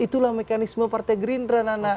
itu lah mekanisme partai gerindra